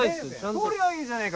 取りゃあいいじゃねえか！